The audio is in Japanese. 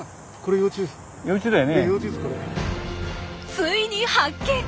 ついに発見！